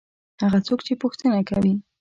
هغه څوک چې پوښتنه کوي.